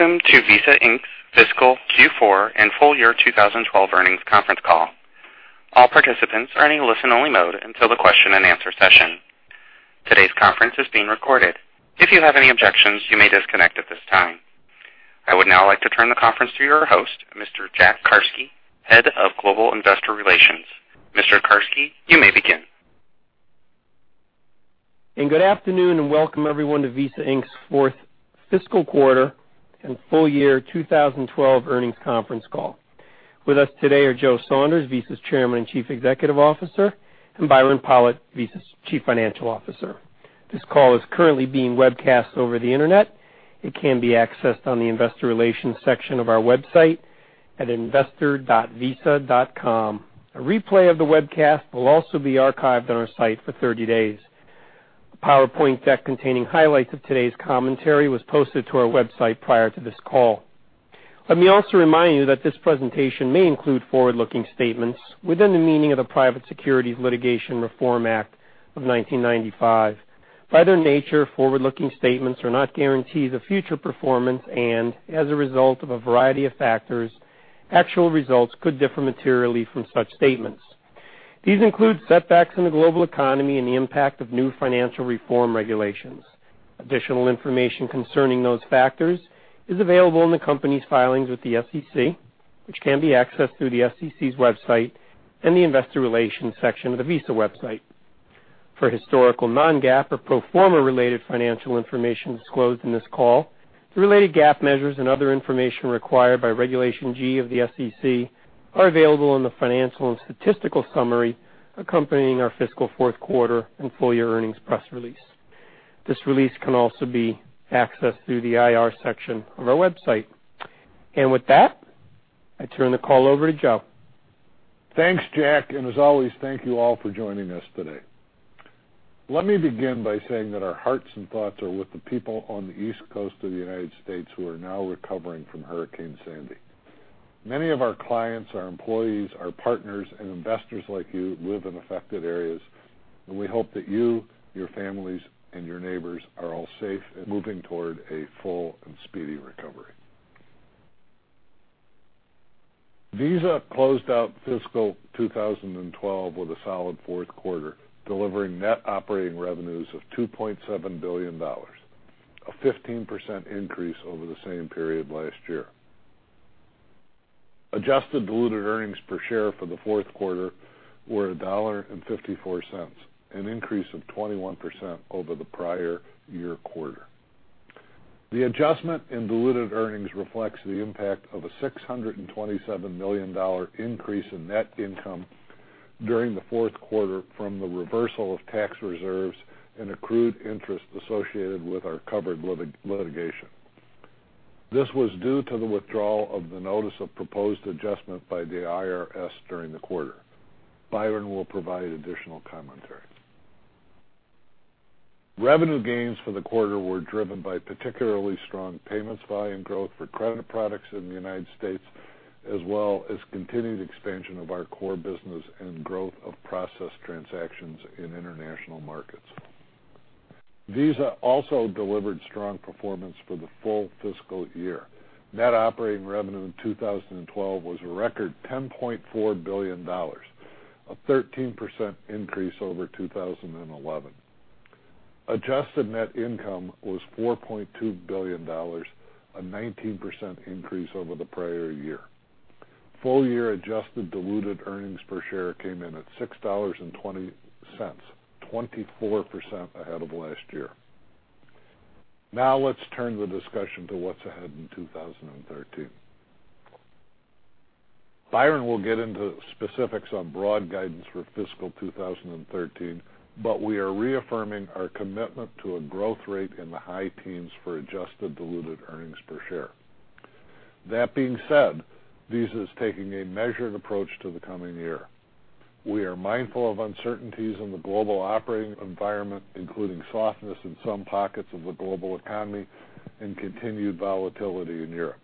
Welcome to Visa Inc.'s fiscal Q4 and full year 2012 earnings conference call. All participants are in a listen-only mode until the question and answer session. Today's conference is being recorded. If you have any objections, you may disconnect at this time. I would now like to turn the conference to your host, Mr. Jack Carsky, Head of Global Investor Relations. Mr. Carsky, you may begin. Good afternoon, and welcome everyone to Visa Inc.'s fourth fiscal quarter and full year 2012 earnings conference call. With us today are Joseph Saunders, Visa's Chairman and Chief Executive Officer, and Byron Pollitt, Visa's Chief Financial Officer. This call is currently being webcast over the internet. It can be accessed on the investor relations section of our website at investor.visa.com. A replay of the webcast will also be archived on our site for 30 days. A PowerPoint deck containing highlights of today's commentary was posted to our website prior to this call. Let me also remind you that this presentation may include forward-looking statements within the meaning of the Private Securities Litigation Reform Act of 1995. By their nature, forward-looking statements are not guarantees of future performance and, as a result of a variety of factors, actual results could differ materially from such statements. These include setbacks in the global economy and the impact of new financial reform regulations. Additional information concerning those factors is available in the company's filings with the SEC, which can be accessed through the SEC's website and the investor relations section of the Visa website. For historical non-GAAP or pro forma-related financial information disclosed in this call, the related GAAP measures and other information required by Regulation G of the SEC are available in the financial and statistical summary accompanying our fiscal fourth quarter and full year earnings press release. This release can also be accessed through the IR section of our website. With that, I turn the call over to Joe. Thanks, Jack, and as always, thank you all for joining us today. Let me begin by saying that our hearts and thoughts are with the people on the East Coast of the U.S. who are now recovering from Hurricane Sandy. Many of our clients, our employees, our partners, and investors like you live in affected areas, and we hope that you, your families, and your neighbors are all safe and moving toward a full and speedy recovery. Visa closed out fiscal 2012 with a solid fourth quarter, delivering net operating revenues of $2.7 billion, a 15% increase over the same period last year. Adjusted diluted earnings per share for the fourth quarter were $1.54, an increase of 21% over the prior year quarter. The adjustment in diluted earnings reflects the impact of a $627 million increase in net income during the fourth quarter from the reversal of tax reserves and accrued interest associated with our covered litigation. This was due to the withdrawal of the notice of proposed adjustment by the IRS during the quarter. Byron will provide additional commentary. Revenue gains for the quarter were driven by particularly strong payments volume growth for credit products in the United States, as well as continued expansion of our core business and growth of processed transactions in international markets. Visa also delivered strong performance for the full fiscal year. Net operating revenue in 2012 was a record $10.4 billion, a 13% increase over 2011. Adjusted net income was $4.2 billion, a 19% increase over the prior year. Full-year adjusted diluted earnings per share came in at $6.20, 24% ahead of last year. Now let's turn the discussion to what's ahead in 2013. Byron will get into specifics on broad guidance for fiscal 2013, but we are reaffirming our commitment to a growth rate in the high teens for adjusted diluted earnings per share. That being said, Visa is taking a measured approach to the coming year. We are mindful of uncertainties in the global operating environment, including softness in some pockets of the global economy and continued volatility in Europe.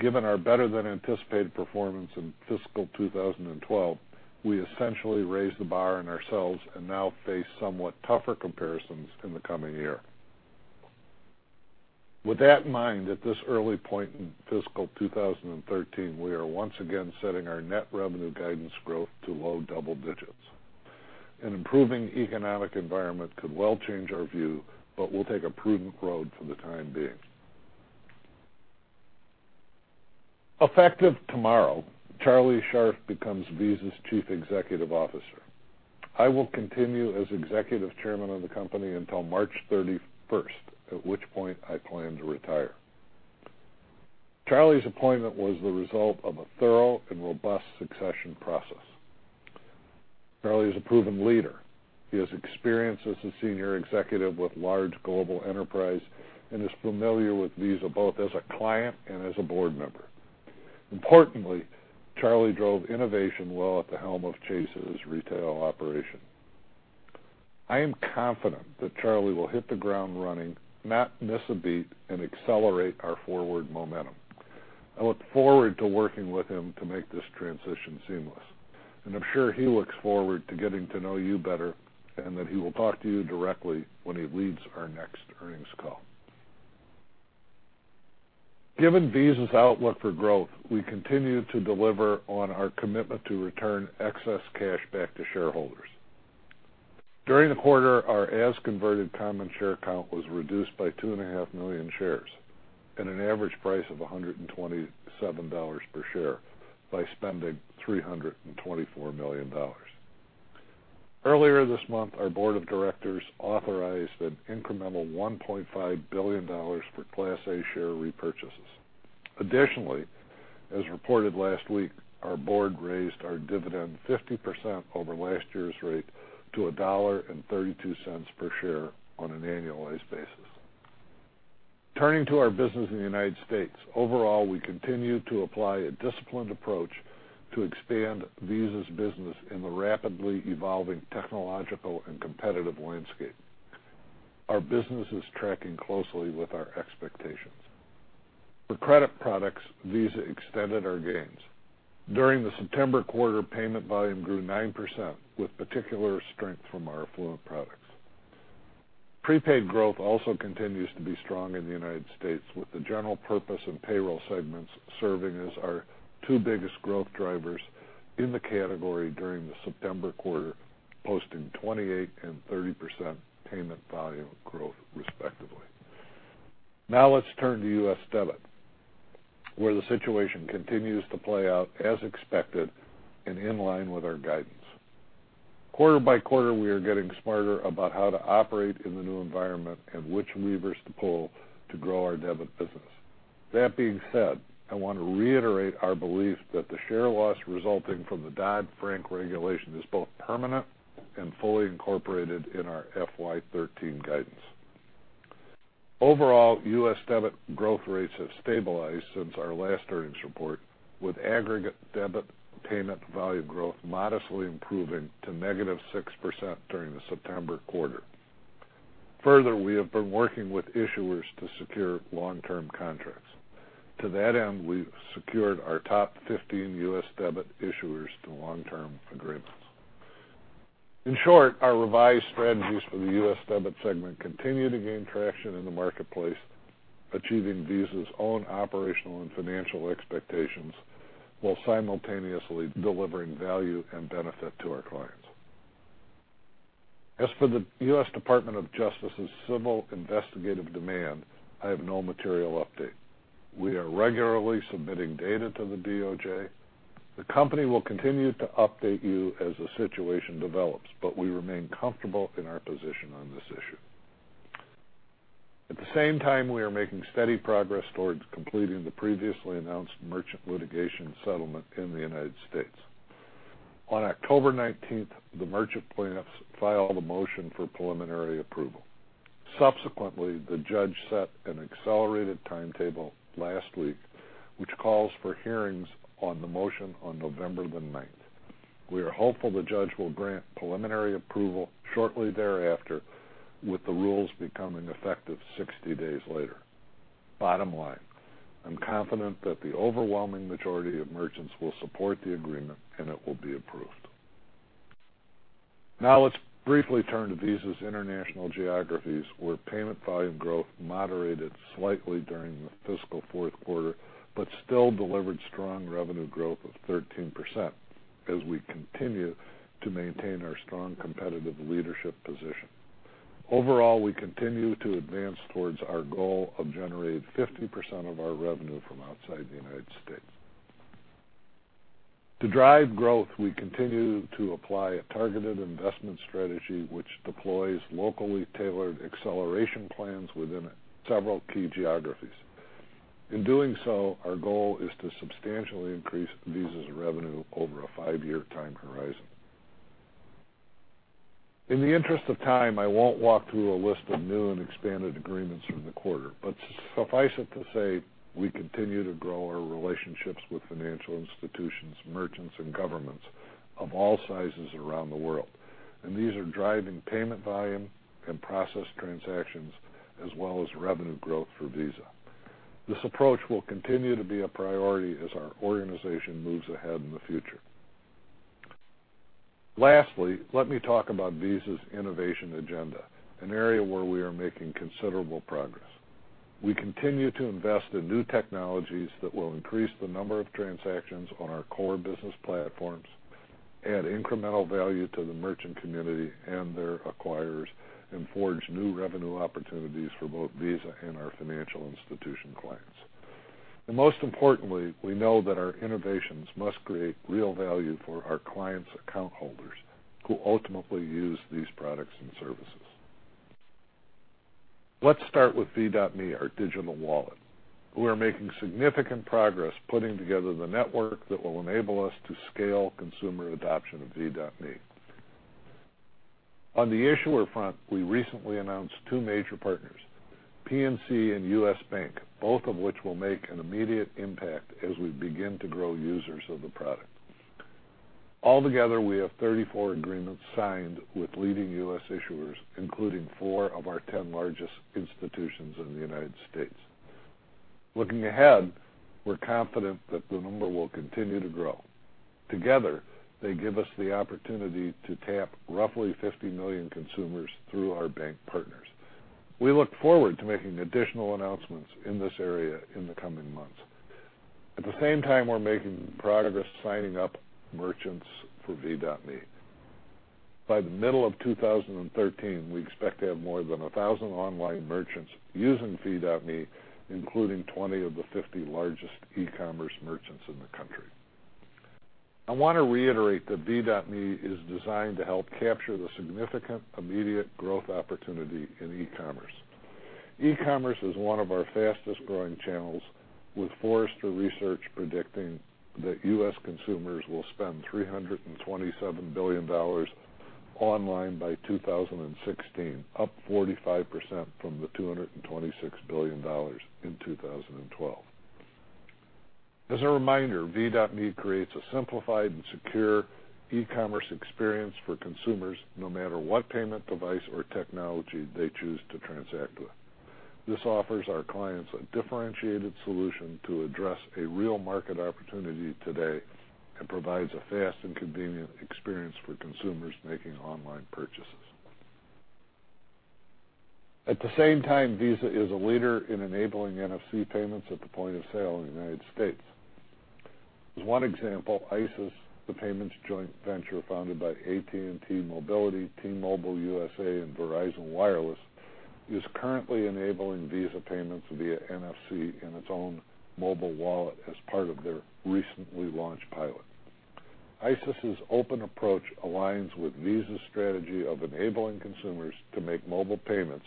Given our better-than-anticipated performance in fiscal 2012, we essentially raised the bar on ourselves and now face somewhat tougher comparisons in the coming year. With that in mind, at this early point in fiscal 2013, we are once again setting our net revenue guidance growth to low double digits. An improving economic environment could well change our view, but we'll take a prudent road for the time being. Effective tomorrow, Charlie Scharf becomes Visa's Chief Executive Officer. I will continue as executive chairman of the company until March 31st, at which point I plan to retire. Charlie's appointment was the result of a thorough and robust succession process. Charlie is a proven leader. He has experience as a senior executive with large global enterprise and is familiar with Visa both as a client and as a board member. Importantly, Charlie drove innovation well at the helm of Chase's retail operation. I am confident that Charlie will hit the ground running, not miss a beat, and accelerate our forward momentum. I look forward to working with him to make this transition seamless, and I'm sure he looks forward to getting to know you better and that he will talk to you directly when he leads our next earnings call. Given Visa's outlook for growth, we continue to deliver on our commitment to return excess cash back to shareholders. During the quarter, our as-converted common share count was reduced by two and a half million shares at an average price of $127 per share by spending $324 million. Earlier this month, our board of directors authorized an incremental $1.5 billion for Class A share repurchases. Additionally, as reported last week, our board raised our dividend 50% over last year's rate to $1.32 per share on an annualized basis. Turning to our business in the United States. Overall, we continue to apply a disciplined approach to expand Visa's business in the rapidly evolving technological and competitive landscape. Our business is tracking closely with our expectations. For credit products, Visa extended our gains. During the September quarter, payment volume grew 9%, with particular strength from our affluent products. Prepaid growth also continues to be strong in the U.S., with the general purpose and payroll segments serving as our two biggest growth drivers in the category during the September quarter, posting 28% and 30% payment volume growth respectively. Let's turn to U.S. debit, where the situation continues to play out as expected and in line with our guidance. Quarter by quarter, we are getting smarter about how to operate in the new environment and which levers to pull to grow our debit business. That being said, I want to reiterate our belief that the share loss resulting from the Dodd-Frank regulation is both permanent and fully incorporated in our FY 2013 guidance. We continue to advance towards our goal of generating 50% of our revenue from outside the U.S. Overall, U.S. debit growth rates have stabilized since our last earnings report, with aggregate debit payment value growth modestly improving to -6% during the September quarter. We have been working with issuers to secure long-term contracts. To that end, we've secured our top 15 U.S. debit issuers to long-term agreements. Our revised strategies for the U.S. debit segment continue to gain traction in the marketplace, achieving Visa's own operational and financial expectations while simultaneously delivering value and benefit to our clients. As for the U.S. Department of Justice's civil investigative demand, I have no material update. We are regularly submitting data to the DOJ. The company will continue to update you as the situation develops, but we remain comfortable in our position on this issue. At the same time, we are making steady progress towards completing the previously announced merchant litigation settlement in the U.S. On October 19th, the merchant plaintiffs filed a motion for preliminary approval. The judge set an accelerated timetable last week, which calls for hearings on the motion on November the 9th. We are hopeful the judge will grant preliminary approval shortly thereafter, with the rules becoming effective 60 days later. Bottom line, I'm confident that the overwhelming majority of merchants will support the agreement, and it will be approved. Let's briefly turn to Visa's international geographies, where payment volume growth moderated slightly during the fiscal fourth quarter, but still delivered strong revenue growth of 13% as we continue to maintain our strong competitive leadership position. We continue to advance towards our goal of generating 50% of our revenue from outside the U.S. To drive growth, we continue to apply a targeted investment strategy which deploys locally tailored acceleration plans within several key geographies. In doing so, our goal is to substantially increase Visa's revenue over a five-year time horizon. In the interest of time, I won't walk through a list of new and expanded agreements from the quarter, but suffice it to say, we continue to grow our relationships with financial institutions, merchants, and governments of all sizes around the world, and these are driving payment volume and processed transactions as well as revenue growth for Visa. This approach will continue to be a priority as our organization moves ahead in the future. Let me talk about Visa's innovation agenda, an area where we are making considerable progress. We continue to invest in new technologies that will increase the number of transactions on our core business platforms, add incremental value to the merchant community and their acquirers, and forge new revenue opportunities for both Visa and our financial institution clients. Most importantly, we know that our innovations must create real value for our clients' account holders who ultimately use these products and services. Let's start with V.me, our digital wallet. We are making significant progress putting together the network that will enable us to scale consumer adoption of V.me. On the issuer front, we recently announced two major partners, PNC and U.S. Bank, both of which will make an immediate impact as we begin to grow users of the product. Altogether, we have 34 agreements signed with leading U.S. issuers, including four of our 10 largest institutions in the U.S. Looking ahead, we're confident that the number will continue to grow. Together, they give us the opportunity to tap roughly 50 million consumers through our bank partners. We look forward to making additional announcements in this area in the coming months. At the same time, we're making progress signing up merchants for V.me. By the middle of 2013, we expect to have more than 1,000 online merchants using V.me, including 20 of the 50 largest e-commerce merchants in the country. I want to reiterate that V.me is designed to help capture the significant immediate growth opportunity in e-commerce. E-commerce is one of our fastest-growing channels, with Forrester Research predicting that U.S. consumers will spend $327 billion online by 2016, up 45% from the $226 billion in 2012. As a reminder, V.me creates a simplified and secure e-commerce experience for consumers no matter what payment device or technology they choose to transact with. This offers our clients a differentiated solution to address a real market opportunity today and provides a fast and convenient experience for consumers making online purchases. At the same time, Visa is a leader in enabling NFC payments at the point-of-sale in the U.S. As one example, Isis, the payments joint venture founded by AT&T Mobility, T-Mobile USA, and Verizon Wireless, is currently enabling Visa payments via NFC in its own mobile wallet as part of their recently launched pilot. Isis's open approach aligns with Visa's strategy of enabling consumers to make mobile payments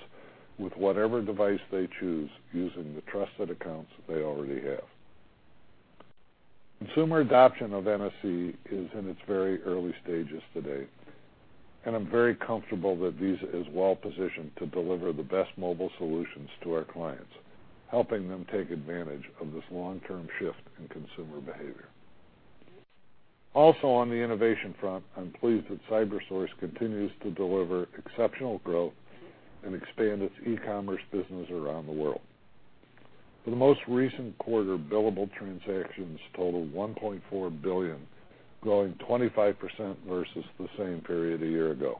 with whatever device they choose using the trusted accounts they already have. Consumer adoption of NFC is in its very early stages today, and I'm very comfortable that Visa is well-positioned to deliver the best mobile solutions to our clients, helping them take advantage of this long-term shift in consumer behavior. Also on the innovation front, I'm pleased that CyberSource continues to deliver exceptional growth and expand its e-commerce business around the world. For the most recent quarter, billable transactions totaled $1.4 billion, growing 25% versus the same period a year ago.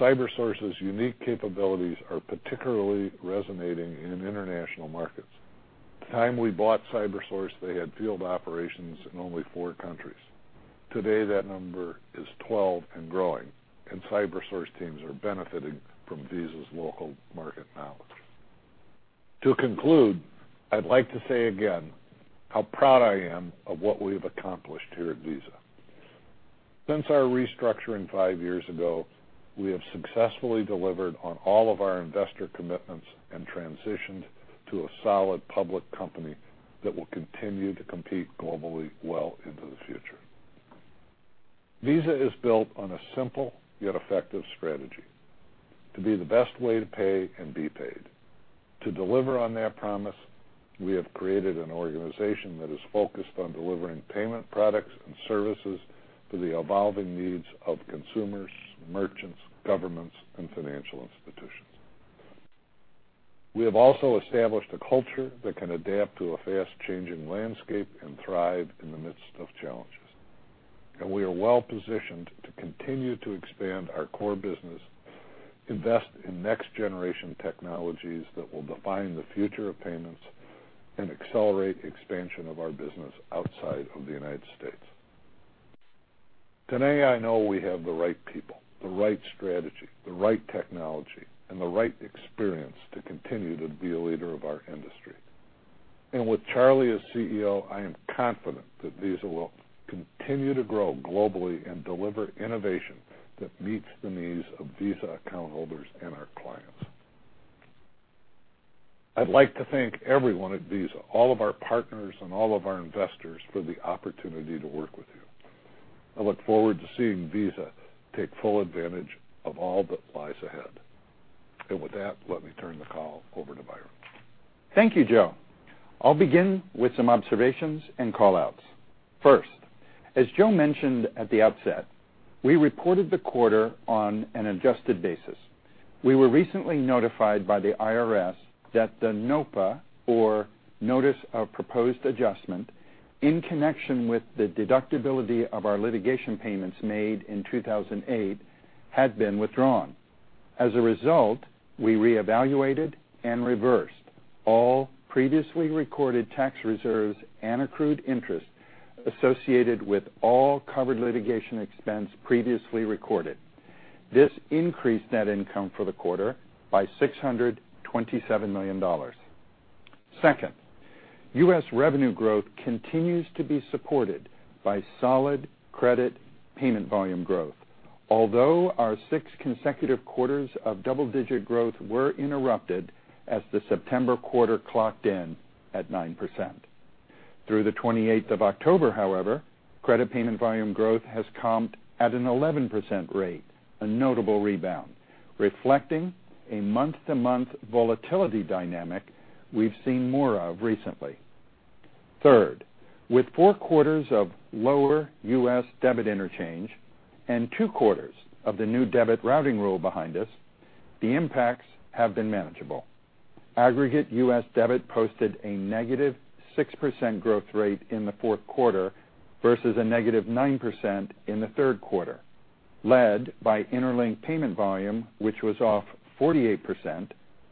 CyberSource's unique capabilities are particularly resonating in international markets. The time we bought CyberSource, they had field operations in only four countries. Today, that number is 12 and growing, and CyberSource teams are benefiting from Visa's local market knowledge. To conclude, I'd like to say again how proud I am of what we've accomplished here at Visa. Since our restructuring five years ago, we have successfully delivered on all of our investor commitments and transitioned to a solid public company that will continue to compete globally well into the future. Visa is built on a simple yet effective strategy: to be the best way to pay and be paid. To deliver on that promise, we have created an organization that is focused on delivering payment products and services to the evolving needs of consumers, merchants, governments, and financial institutions. We have also established a culture that can adapt to a fast-changing landscape and thrive in the midst of challenges. We are well-positioned to continue to expand our core business, invest in next-generation technologies that will define the future of payments, and accelerate the expansion of our business outside of the U.S. Today, I know we have the right people, the right strategy, the right technology, and the right experience to continue to be a leader of our industry. With Charlie as CEO, I am confident that Visa will continue to grow globally and deliver innovation that meets the needs of Visa account holders and our clients. I'd like to thank everyone at Visa, all of our partners, and all of our investors for the opportunity to work with you. I look forward to seeing Visa take full advantage of all that lies ahead. And with that, let me turn the call over to Byron. Thank you, Joe. I'll begin with some observations and call-outs. First, as Joe mentioned at the outset, we reported the quarter on an adjusted basis. We were recently notified by the IRS that the NOPA, or notice of proposed adjustment, in connection with the deductibility of our litigation payments made in 2008, had been withdrawn. As a result, we reevaluated and reversed all previously recorded tax reserves and accrued interest associated with all covered litigation expense previously recorded. This increased net income for the quarter by $627 million. Second, US revenue growth continues to be supported by solid credit payment volume growth. Although our six consecutive quarters of double-digit growth were interrupted as the September quarter clocked in at 9%. Through the 28th of October, however, credit payment volume growth has comped at an 11% rate, a notable rebound. Reflecting a month-to-month volatility dynamic we've seen more of recently. Third, with four quarters of lower U.S. debit interchange and two quarters of the new debit routing rule behind us, the impacts have been manageable. Aggregate U.S. debit posted a negative 6% growth rate in the fourth quarter versus a negative 9% in the third quarter, led by Interlink payment volume, which was off 48%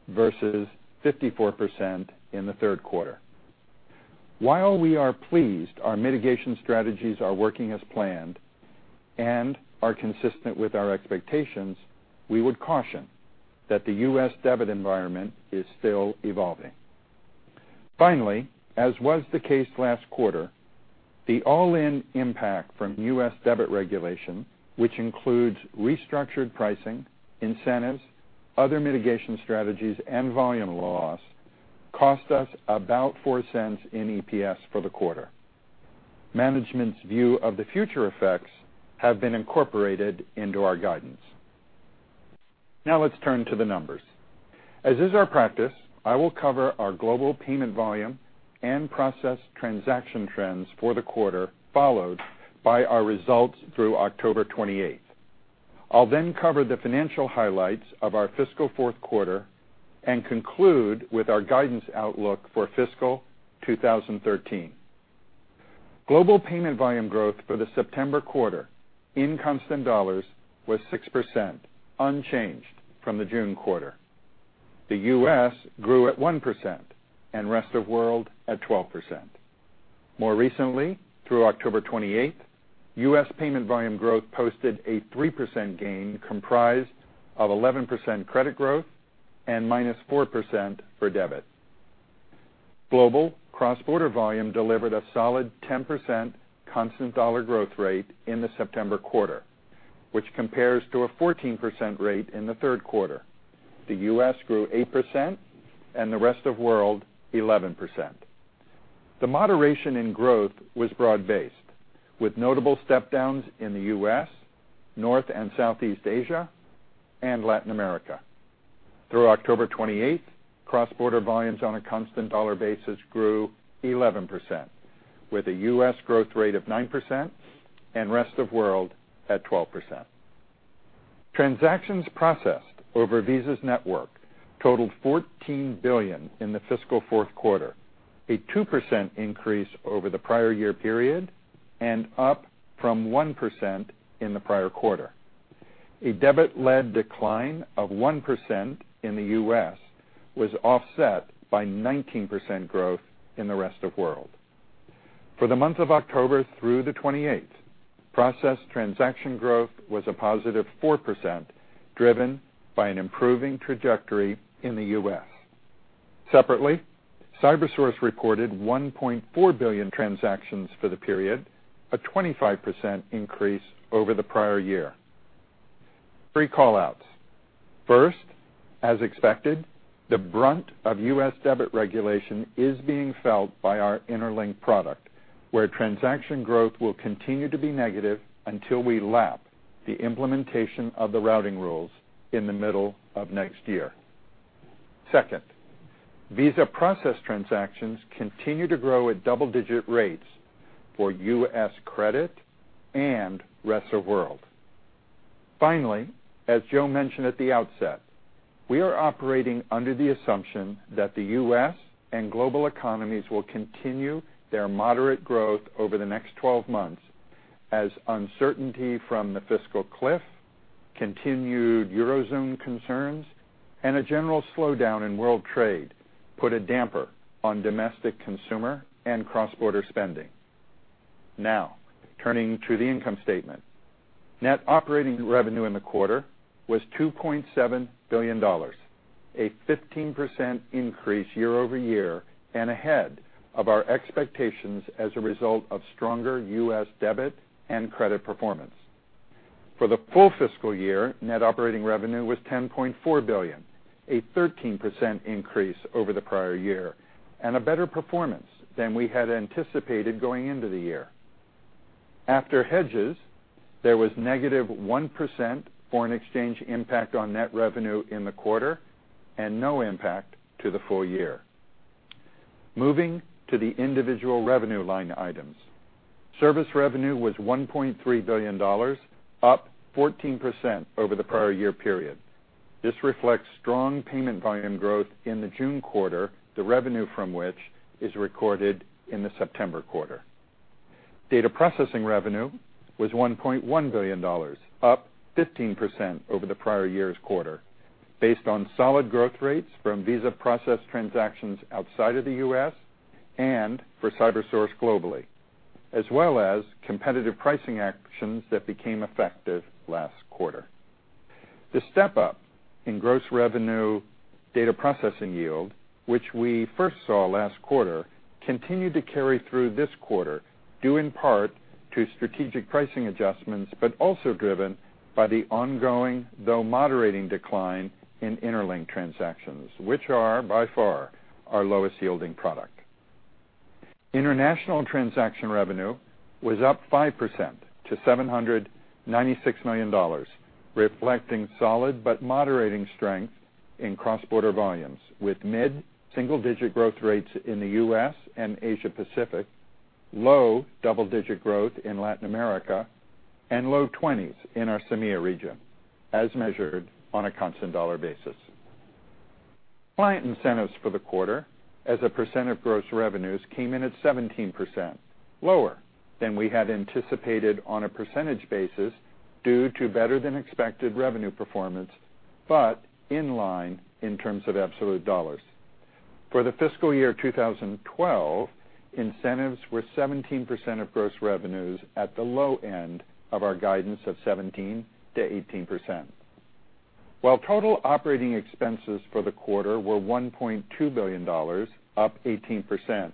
versus 54% in the third quarter. While we are pleased our mitigation strategies are working as planned and are consistent with our expectations, we would caution that the U.S. debit environment is still evolving. Finally, as was the case last quarter, the all-in impact from U.S. debit regulation, which includes restructured pricing, incentives, other mitigation strategies, and volume loss, cost us about $0.04 in EPS for the quarter. Management's view of the future effects have been incorporated into our guidance. Now let's turn to the numbers. As is our practice, I will cover our global payment volume and process transaction trends for the quarter, followed by our results through October 28th. I'll then cover the financial highlights of our fiscal fourth quarter and conclude with our guidance outlook for fiscal 2013. Global payment volume growth for the September quarter in constant dollars was 6%, unchanged from the June quarter. The U.S. grew at 1% and rest of world at 12%. More recently, through October 28th, U.S. payment volume growth posted a 3% gain comprised of 11% credit growth and minus 4% for debit. Global cross-border volume delivered a solid 10% constant dollar growth rate in the September quarter, which compares to a 14% rate in the third quarter. The U.S. grew 8% and the rest of world 11%. The moderation in growth was broad-based, with notable step-downs in the U.S., North and Southeast Asia, and Latin America. Through October 28th, cross-border volumes on a constant dollar basis grew 11%, with a U.S. growth rate of 9% and rest of world at 12%. Transactions processed over Visa's network totaled 14 billion in the fiscal fourth quarter, a 2% increase over the prior year period and up from 1% in the prior quarter. A debit-led decline of 1% in the U.S. was offset by 19% growth in the rest of world. For the month of October through the 28th, processed transaction growth was a positive 4%, driven by an improving trajectory in the U.S. Separately, CyberSource reported 1.4 billion transactions for the period, a 25% increase over the prior year. Three call-outs. First, as expected, the brunt of U.S. debit regulation is being felt by our Interlink product, where transaction growth will continue to be negative until we lap the implementation of the routing rules in the middle of next year. Second, Visa processed transactions continue to grow at double-digit rates for U.S. credit and rest of world. Finally, as Joe mentioned at the outset, we are operating under the assumption that the U.S. and global economies will continue their moderate growth over the next 12 months as uncertainty from the fiscal cliff, continued Eurozone concerns, and a general slowdown in world trade put a damper on domestic consumer and cross-border spending. Turning to the income statement. Net operating revenue in the quarter was $2.7 billion, a 15% increase year-over-year and ahead of our expectations as a result of stronger U.S. debit and credit performance. For the full fiscal year, net operating revenue was $10.4 billion, a 13% increase over the prior year and a better performance than we had anticipated going into the year. After hedges, there was negative 1% foreign exchange impact on net revenue in the quarter and no impact to the full year. Moving to the individual revenue line items. Service revenue was $1.3 billion, up 14% over the prior year period. This reflects strong payment volume growth in the June quarter, the revenue from which is recorded in the September quarter. Data processing revenue was $1.1 billion, up 15% over the prior year's quarter, based on solid growth rates from Visa processed transactions outside of the U.S. and for CyberSource globally, as well as competitive pricing actions that became effective last quarter. The step-up in gross revenue data processing yield, which we first saw last quarter, continued to carry through this quarter, due in part to strategic pricing adjustments, but also driven by the ongoing, though moderating, decline in Interlink transactions, which are, by far, our lowest-yielding product. International transaction revenue was up 5% to $796 million, reflecting solid but moderating strength in cross-border volumes, with mid-single-digit growth rates in the U.S. and Asia-Pacific, low double-digit growth in Latin America, and low 20s in our CEMEA region, as measured on a constant dollar basis. Client incentives for the quarter as a percent of gross revenues came in at 17%, lower than we had anticipated on a percentage basis due to better than expected revenue performance, but in line in terms of absolute dollars. For the fiscal year 2012, incentives were 17% of gross revenues, at the low end of our guidance of 17%-18%. While total operating expenses for the quarter were $1.2 billion, up 18%,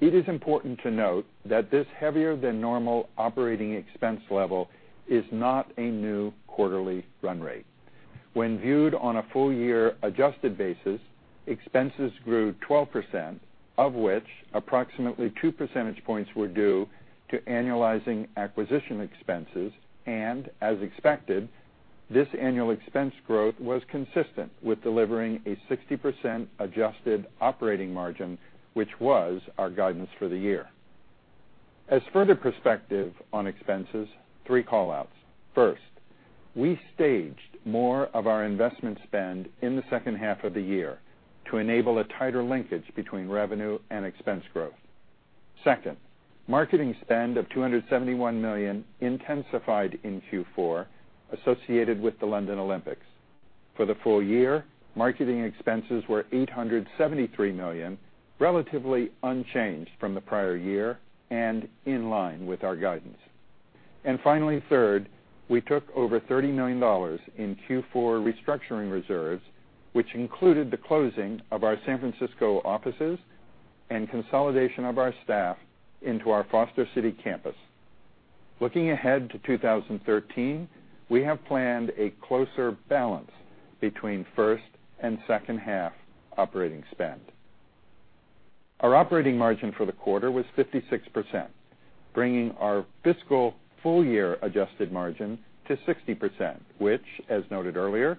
it is important to note that this heavier than normal operating expense level is not a new quarterly run rate. When viewed on a full year adjusted basis, expenses grew 12%, of which approximately two percentage points were due to annualizing acquisition expenses. As expected, this annual expense growth was consistent with delivering a 60% adjusted operating margin, which was our guidance for the year. As further perspective on expenses, three call-outs. First, we staged more of our investment spend in the second half of the year to enable a tighter linkage between revenue and expense growth. Second, marketing spend of $271 million intensified in Q4, associated with the London Olympics. For the full year, marketing expenses were $873 million, relatively unchanged from the prior year and in line with our guidance. Finally, third, we took over $30 million in Q4 restructuring reserves, which included the closing of our San Francisco offices and consolidation of our staff into our Foster City campus. Looking ahead to 2013, we have planned a closer balance between first and second half operating spend. Our operating margin for the quarter was 56%, bringing our fiscal full year adjusted margin to 60%, which, as noted earlier,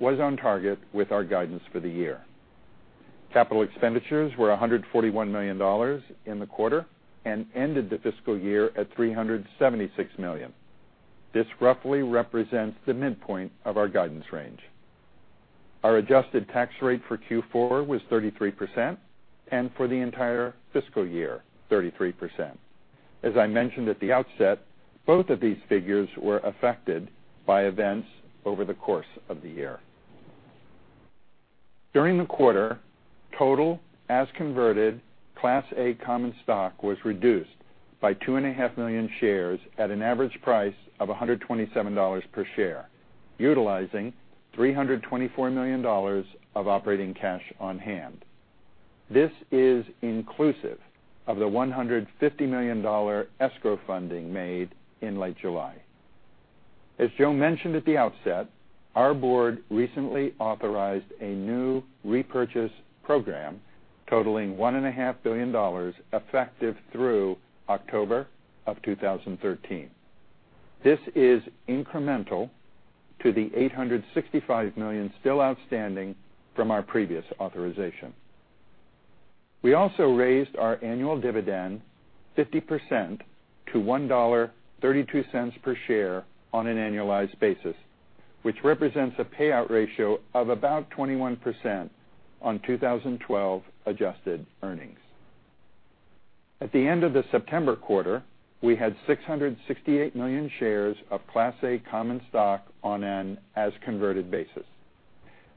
was on target with our guidance for the year. Capital expenditures were $141 million in the quarter and ended the fiscal year at $376 million. This roughly represents the midpoint of our guidance range. Our adjusted tax rate for Q4 was 33%, and for the entire fiscal year, 33%. As I mentioned at the outset, both of these figures were affected by events over the course of the year. During the quarter, total as converted Class A common stock was reduced by two and a half million shares at an average price of $127 per share, utilizing $324 million of operating cash on hand. This is inclusive of the $150 million escrow funding made in late July. As Joe mentioned at the outset, our board recently authorized a new repurchase program totaling $1.5 billion, effective through October of 2013. This is incremental to the $865 million still outstanding from our previous authorization. We also raised our annual dividend 50% to $1.32 per share on an annualized basis, which represents a payout ratio of about 21% on 2012 adjusted earnings. At the end of the September quarter, we had 668 million shares of Class A common stock on an as-converted basis.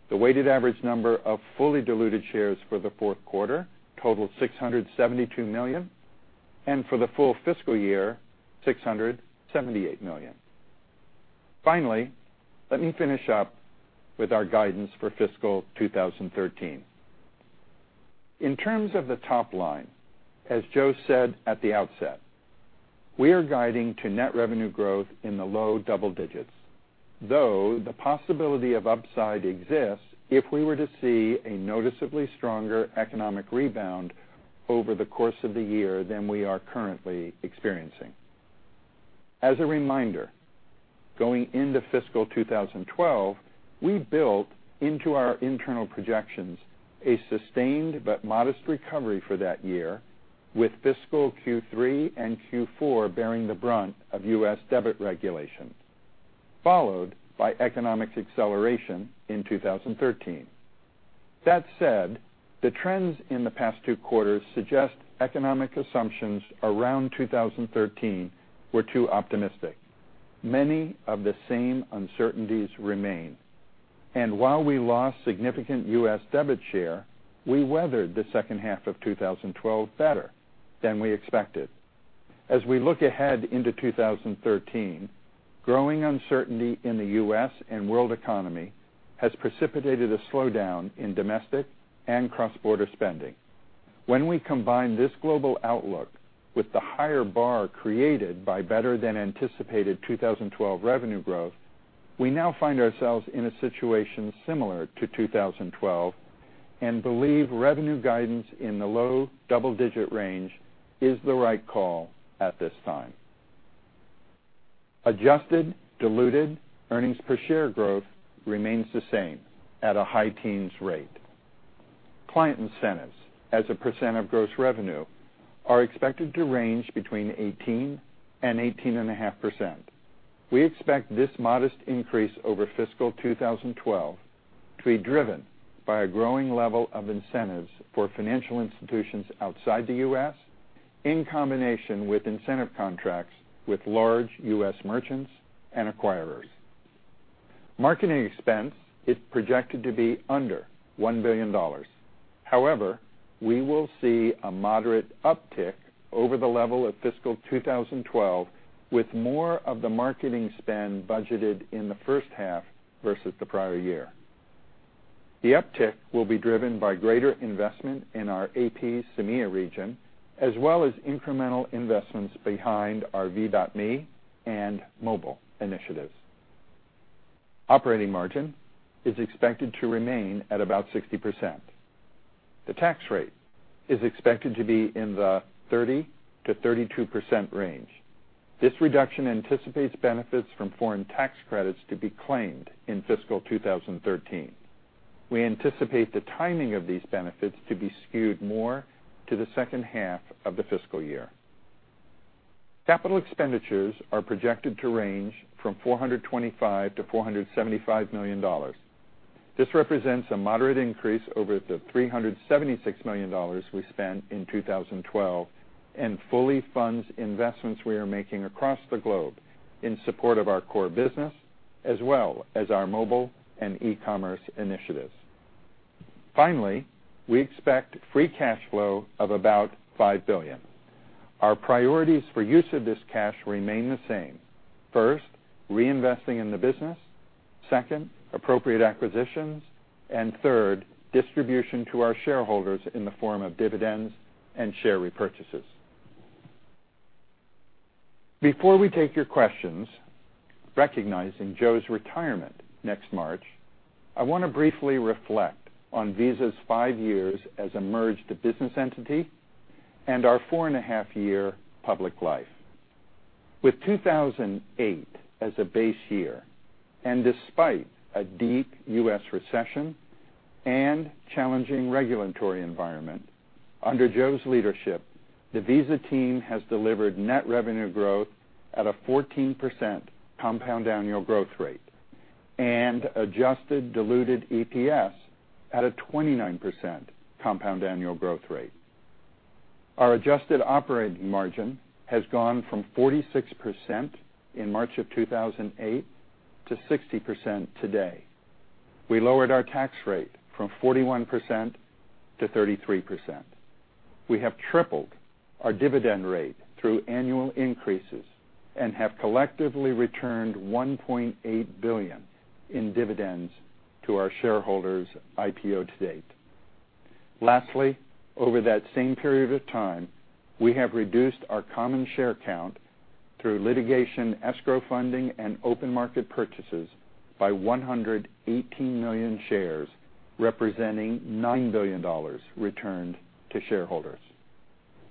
The weighted average number of fully diluted shares for the fourth quarter totaled 672 million, and for the full fiscal year, 678 million. Finally, let me finish up with our guidance for fiscal 2013. In terms of the top line, as Joe said at the outset, we are guiding to net revenue growth in the low double digits, though the possibility of upside exists if we were to see a noticeably stronger economic rebound over the course of the year than we are currently experiencing. As a reminder, going into fiscal 2012, we built into our internal projections a sustained but modest recovery for that year, with fiscal Q3 and Q4 bearing the brunt of U.S. debit regulations, followed by economic acceleration in 2013. That said, the trends in the past two quarters suggest economic assumptions around 2013 were too optimistic. Many of the same uncertainties remain. While we lost significant U.S. debit share, we weathered the second half of 2012 better than we expected. As we look ahead into 2013, growing uncertainty in the U.S. and world economy has precipitated a slowdown in domestic and cross-border spending. When we combine this global outlook with the higher bar created by better than anticipated 2012 revenue growth, we now find ourselves in a situation similar to 2012 and believe revenue guidance in the low double-digit range is the right call at this time. Adjusted diluted earnings per share growth remains the same at a high teens rate. Client incentives as a percent of gross revenue are expected to range between 18%-18.5%. We expect this modest increase over fiscal 2012 to be driven by a growing level of incentives for financial institutions outside the U.S. in combination with incentive contracts with large U.S. merchants and acquirers. Marketing expense is projected to be under $1 billion. However, we will see a moderate uptick over the level of fiscal 2012 with more of the marketing spend budgeted in the first half versus the prior year. The uptick will be driven by greater investment in our AP MEA region, as well as incremental investments behind our V.me and mobile initiatives. Operating margin is expected to remain at about 60%. The tax rate is expected to be in the 30%-32% range. This reduction anticipates benefits from foreign tax credits to be claimed in fiscal 2013. We anticipate the timing of these benefits to be skewed more to the second half of the fiscal year. Capital expenditures are projected to range from $425 million-$475 million. This represents a moderate increase over the $376 million we spent in 2012 and fully funds investments we are making across the globe in support of our core business as well as our mobile and e-commerce initiatives. Finally, we expect free cash flow of about $5 billion. Our priorities for use of this cash remain the same. First, reinvesting in the business; second, appropriate acquisitions; and third, distribution to our shareholders in the form of dividends and share repurchases. Before we take your questions, recognizing Joe's retirement next March, I want to briefly reflect on Visa's five years as a merged business entity and our four-and-a-half-year public life. With 2008 as a base year, despite a deep U.S. recession and challenging regulatory environment, under Joe's leadership, the Visa team has delivered net revenue growth at a 14% compound annual growth rate and adjusted diluted EPS at a 29% compound annual growth rate. Our adjusted operating margin has gone from 46% in March of 2008 to 60% today. We lowered our tax rate from 41% to 33%. We have tripled our dividend rate through annual increases and have collectively returned $1.8 billion in dividends to our shareholders IPO to date. Lastly, over that same period of time, we have reduced our common share count through litigation escrow funding and open market purchases by 118 million shares, representing $9 billion returned to shareholders.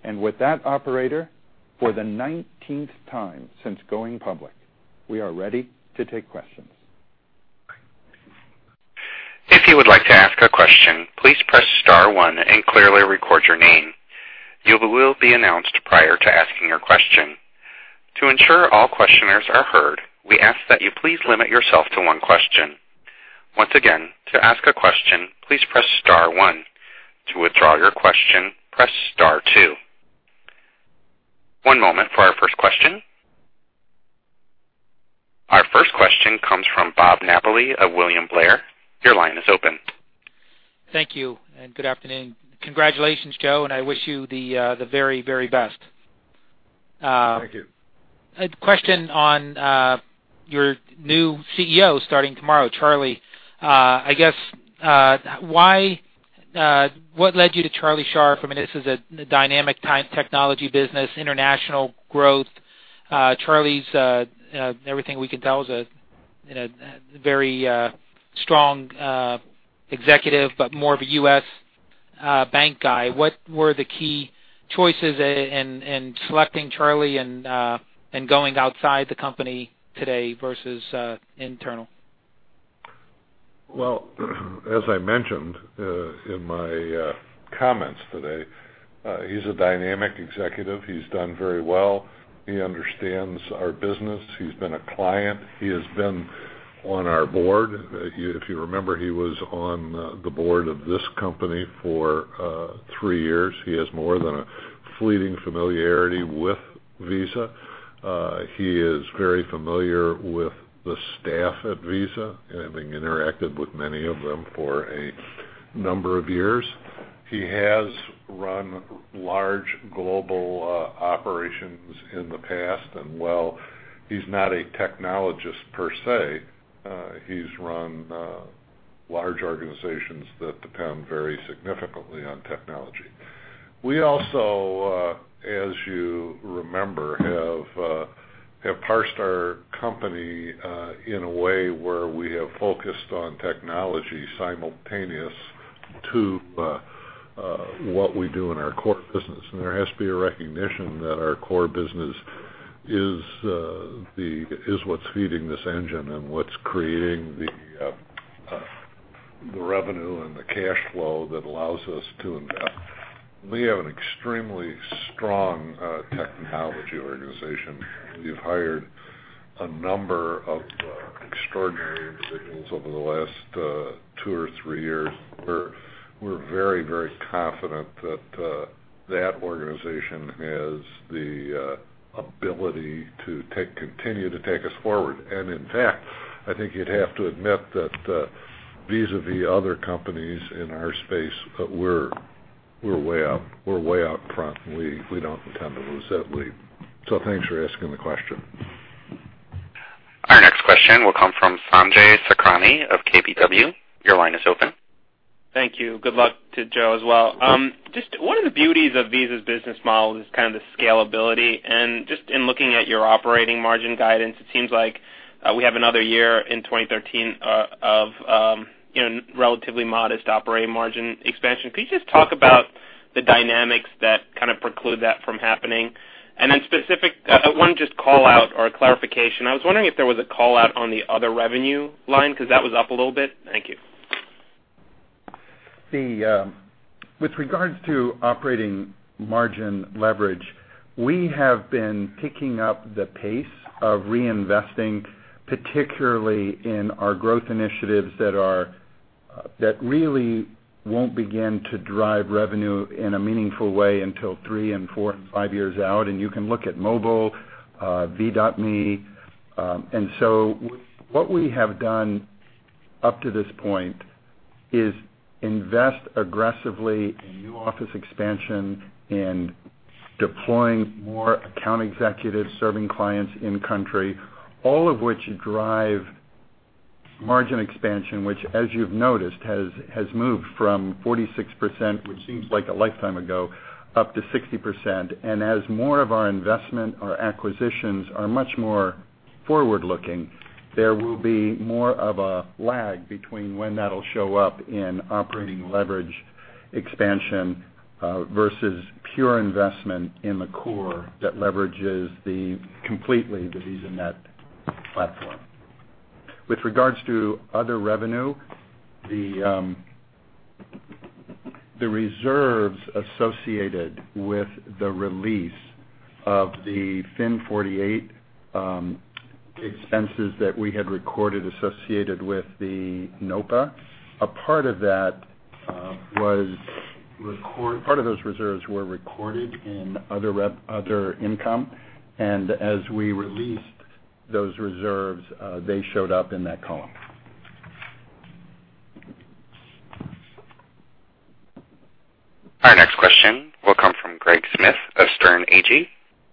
With that operator, for the 19th time since going public, we are ready to take questions. If you would like to ask a question, please press *1 and clearly record your name. You will be announced prior to asking your question. To ensure all questioners are heard, we ask that you please limit yourself to one question. Once again, to ask a question, please press *1. To withdraw your question, press *2. One moment for our first question. Our first question comes from Bob Napoli of William Blair. Your line is open. Thank you. Good afternoon. Congratulations, Joe. I wish you the very best. Thank you. A question on your new CEO starting tomorrow, Charlie. I guess what led you to Charles Scharf? I mean, this is a dynamic type technology business, international growth. Charlie's, everything we can tell, is a very strong executive, but more of a U.S. bank guy. What were the key choices in selecting Charlie and going outside the company today versus internal? Well, as I mentioned in my comments today, he's a dynamic executive. He's done very well. He understands our business. He's been a client. He has been on our board. If you remember, he was on the board of this company for 3 years. He has more than a fleeting familiarity with Visa. He is very familiar with the staff at Visa, having interacted with many of them for a number of years. While he's not a technologist per se, he's run large organizations that depend very significantly on technology. We also, as you remember, have parsed our company in a way where we have focused on technology simultaneous to what we do in our core business. There has to be a recognition that our core business is what's feeding this engine and what's creating the revenue and the cash flow that allows us to invest. We have an extremely strong technology organization. We've hired a number of extraordinary individuals over the last two or three years. We're very confident that that organization has the ability to continue to take us forward. In fact, I think you'd have to admit that vis-à-vis other companies in our space, we're way out front, and we don't intend to lose that lead. Thanks for asking the question. Our next question will come from Sanjay Sakhrani of KBW. Your line is open. Thank you. Good luck to Joe as well. One of the beauties of Visa's business model is kind of the scalability. Just in looking at your operating margin guidance, it seems like we have another year in 2013 of relatively modest operating margin expansion. Could you just talk about the dynamics that kind of preclude that from happening? Then specific, I want to just call out or a clarification. I was wondering if there was a call out on the other revenue line because that was up a little bit. Thank you. With regards to operating margin leverage, we have been picking up the pace of reinvesting, particularly in our growth initiatives that really won't begin to drive revenue in a meaningful way until three and four and five years out, you can look at Mobile, V.me. So what we have done up to this point is invest aggressively in new office expansion and deploying more account executives serving clients in country, all of which drive margin expansion, which as you've noticed, has moved from 46%, which seems like a lifetime ago, up to 60%. As more of our investment, our acquisitions are much more forward-looking, there will be more of a lag between when that'll show up in operating leverage expansion versus pure investment in the core that leverages completely the VisaNet platform. With regards to other revenue, the reserves associated with the release of the FIN 48 expenses that we had recorded associated with the NOPA, a part of those reserves were recorded in other income, as we released those reserves, they showed up in that column. Our next question will come from Greg Smith of Sterne Agee.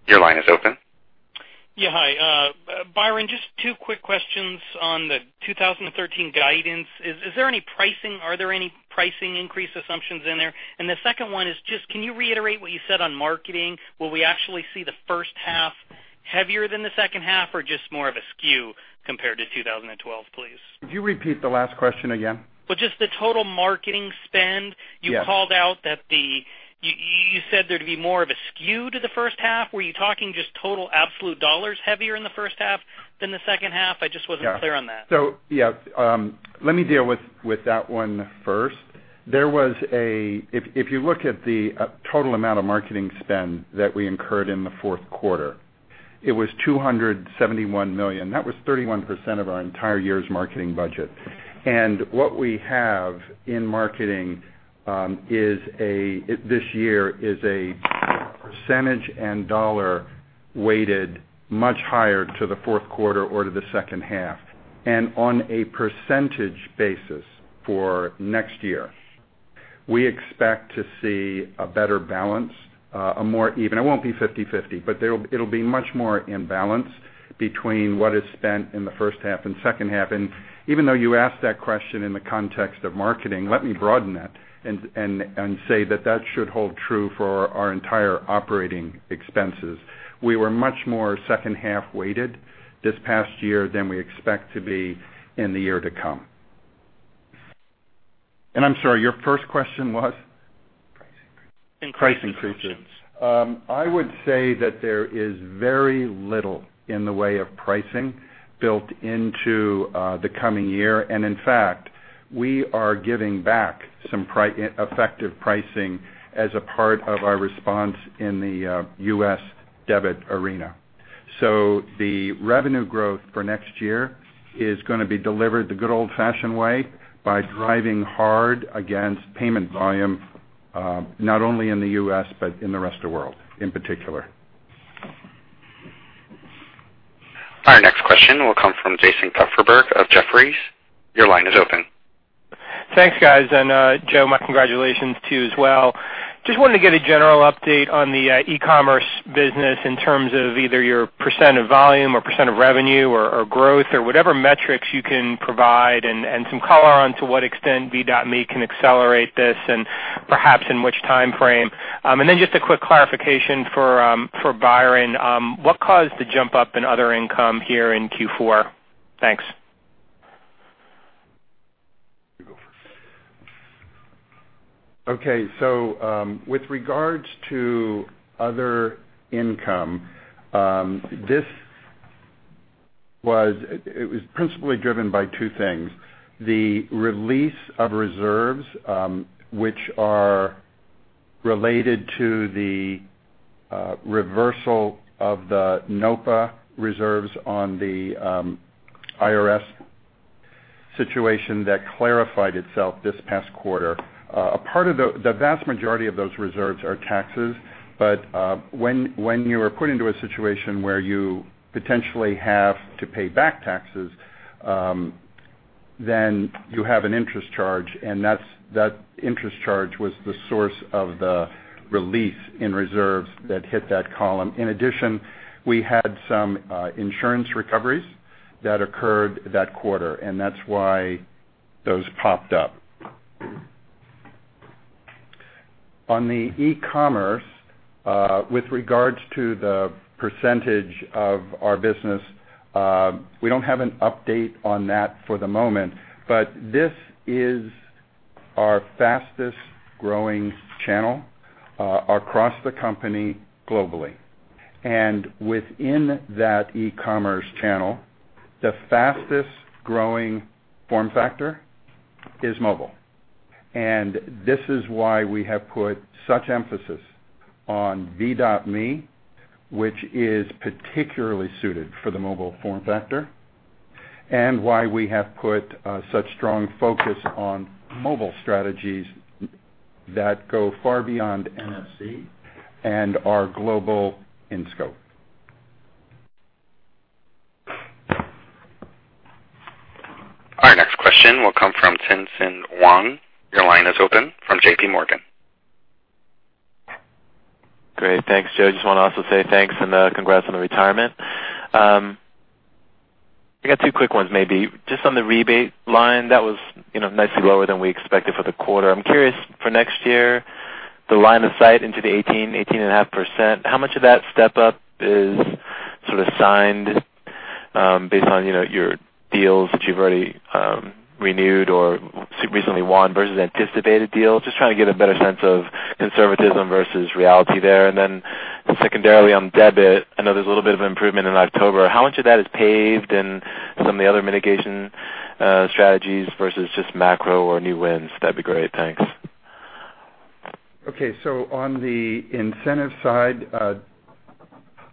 Your line is open. Yeah. Hi. Byron, just two quick questions on the 2013 guidance. Are there any pricing increase assumptions in there? The second one is just can you reiterate what you said on marketing? Will we actually see the first half heavier than the second half or just more of a skew compared to 2012, please? Could you repeat the last question again? Well, just the total marketing spend. Yes. You called out that you said there'd be more of a skew to the first half. Were you talking just total absolute dollars heavier in the first half than the second half? I just wasn't clear on that. Yeah. Let me deal with that one first. If you look at the total amount of marketing spend that we incurred in the fourth quarter, it was $271 million. That was 31% of our entire year's marketing budget. What we have in marketing this year is a percentage and dollar weighted much higher to the fourth quarter or to the second half. On a percentage basis for next year, we expect to see a better balance, a more even. It won't be 50/50, but it'll be much more in balance between what is spent in the first half and second half. Even though you asked that question in the context of marketing, let me broaden that and say that that should hold true for our entire operating expenses. We were much more second-half weighted this past year than we expect to be in the year to come. I'm sorry, your first question was? Pricing increases. Pricing increases. I would say that there is very little in the way of pricing built into the coming year. In fact, we are giving back some effective pricing as a part of our response in the U.S. debit arena. The revenue growth for next year is going to be delivered the good old-fashioned way by driving hard against payment volume, not only in the U.S., but in the rest of world in particular. Our next question will come from Jason Kupferberg of Jefferies. Your line is open. Thanks, guys. Joe, my congratulations to you as well. Just wanted to get a general update on the e-commerce business in terms of either your % of volume or % of revenue or growth or whatever metrics you can provide, and some color onto what extent V.me can accelerate this, and perhaps in which timeframe. Just a quick clarification for Byron. What caused the jump up in other income here in Q4? Thanks. You go first. Okay. With regards to other income, it was principally driven by two things. The release of reserves which are related to the reversal of the NOPA reserves on the IRS situation that clarified itself this past quarter. The vast majority of those reserves are taxes. When you are put into a situation where you potentially have to pay back taxes, then you have an interest charge, and that interest charge was the source of the relief in reserves that hit that column. In addition, we had some insurance recoveries that occurred that quarter. That's why those popped up. On the e-commerce, with regards to the % of our business, we don't have an update on that for the moment, but this is our fastest growing channel across the company globally. Within that e-commerce channel, the fastest growing form factor is mobile. This is why we have put such emphasis on V.me, which is particularly suited for the mobile form factor, and why we have put such strong focus on mobile strategies that go far beyond NFC and are global in scope. Our next question will come from Tien-Tsin Huang. Your line is open, from J.P. Morgan. Great. Thanks, Joe. Just want to also say thanks and congrats on the retirement. I got two quick ones, maybe. Just on the rebate line, that was nicely lower than we expected for the quarter. I'm curious for next year, the line of sight into the 18%-18.5%, how much of that step up is sort of signed based on your deals that you've already renewed or recently won versus anticipated deals? Just trying to get a better sense of conservatism versus reality there. Then secondarily on debit, I know there's a little bit of improvement in October. How much of that is paved in some of the other mitigation strategies versus just macro or new wins? That'd be great. Thanks. Okay. On the incentive side,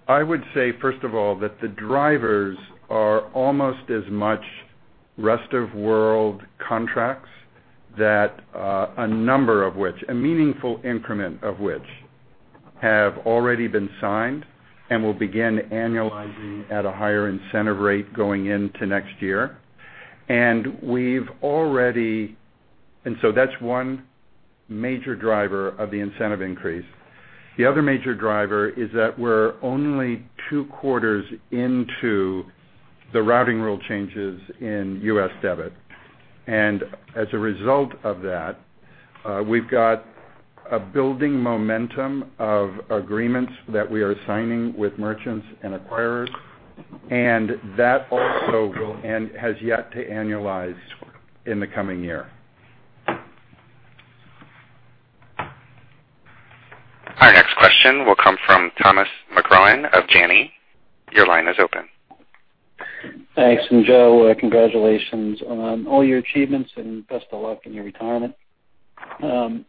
I would say, first of all, that the drivers are almost as much rest-of-world contracts that a number of which, a meaningful increment of which have already been signed and will begin annualizing at a higher incentive rate going into next year. That's one major driver of the incentive increase. The other major driver is that we're only two quarters into the routing rule changes in U.S. debit. As a result of that, we've got a building momentum of agreements that we are signing with merchants and acquirers, and that also has yet to annualize in the coming year. Our next question will come from Thomas McCrohan of Janney. Your line is open. Thanks. Joe, congratulations on all your achievements and best of luck in your retirement. Can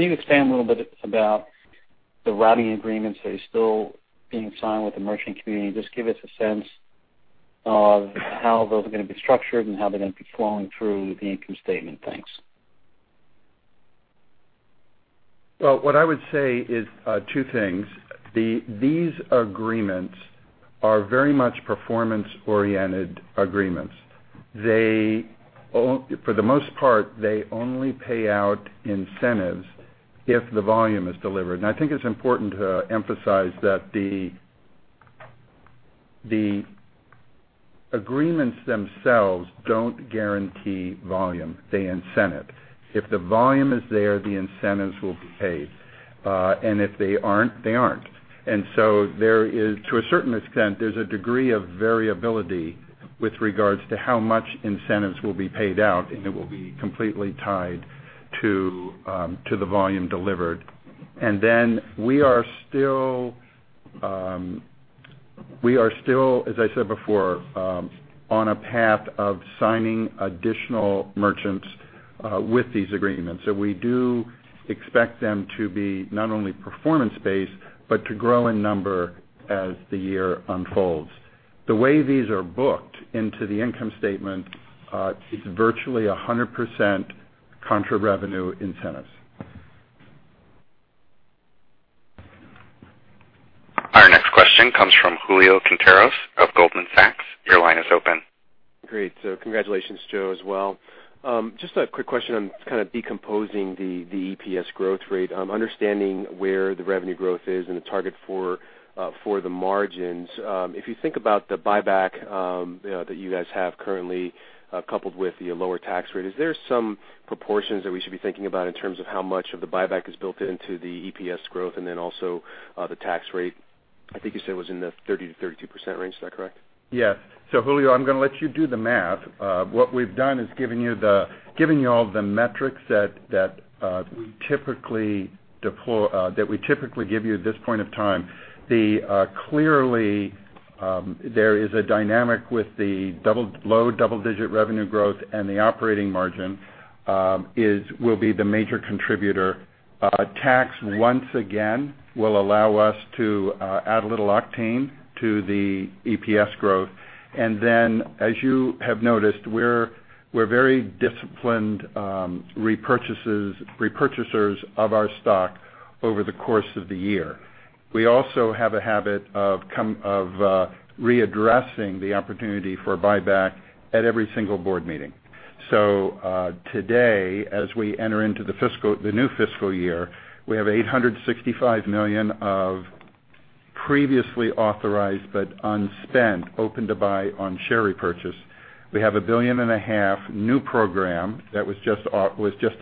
you expand a little bit about the routing agreements that are still being signed with the merchant community? Just give us a sense of how those are going to be structured and how they're going to be flowing through the income statement. Thanks. Well, what I would say is two things. These agreements are very much performance-oriented agreements. For the most part, they only pay out incentives if the volume is delivered. I think it's important to emphasize that the agreements themselves don't guarantee volume. They incentive. If the volume is there, the incentives will be paid. If they aren't, they aren't. To a certain extent, there's a degree of variability with regards to how much incentives will be paid out, and it will be completely tied to the volume delivered. Then we are still, as I said before, on a path of signing additional merchants with these agreements. We do expect them to be not only performance-based, but to grow in number as the year unfolds. The way these are booked into the income statement is virtually 100% contra revenue incentives comes from Julio Quinteros of Goldman Sachs. Your line is open. Great. Congratulations, Joe, as well. Just a quick question on decomposing the EPS growth rate. Understanding where the revenue growth is and the target for the margins. If you think about the buyback that you guys have currently, coupled with the lower tax rate, is there some proportions that we should be thinking about in terms of how much of the buyback is built into the EPS growth, and also the tax rate? I think you said was in the 30%-32% range. Is that correct? Yes. Julio, I'm going to let you do the math. What we've done is given you all of the metrics that we typically give you at this point of time. Clearly, there is a dynamic with the low double-digit revenue growth, and the operating margin will be the major contributor. Tax, once again, will allow us to add a little octane to the EPS growth. As you have noticed, we're very disciplined repurchasers of our stock over the course of the year. We also have a habit of readdressing the opportunity for buyback at every single board meeting. Today, as we enter into the new fiscal year, we have $865 million of previously authorized but unspent, open to buy on share repurchase. We have a $1.5 billion new program that was just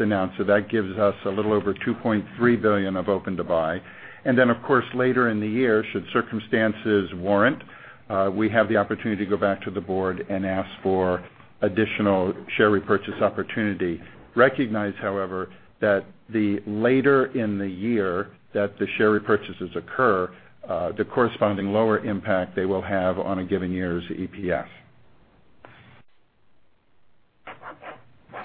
announced, that gives us a little over $2.3 billion of open to buy. Of course, later in the year, should circumstances warrant, we have the opportunity to go back to the board and ask for additional share repurchase opportunity. Recognize, however, that the later in the year that the share repurchases occur, the corresponding lower impact they will have on a given year's EPS.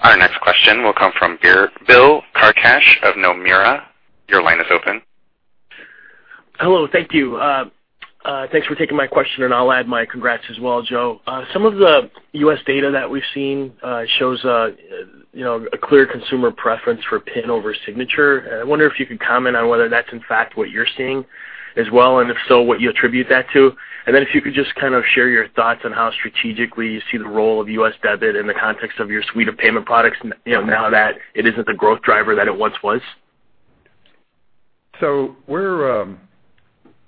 Our next question will come from Bill Carcache of Nomura. Your line is open. Hello. Thank you. Thanks for taking my question, and I'll add my congrats as well, Joe. Some of the U.S. data that we've seen shows a clear consumer preference for PIN over signature. I wonder if you could comment on whether that's in fact what you're seeing as well, and if so, what you attribute that to. If you could just kind of share your thoughts on how strategically you see the role of U.S. debit in the context of your suite of payment products, now that it isn't the growth driver that it once was.